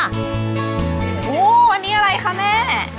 อันนี้อะไรคะแม่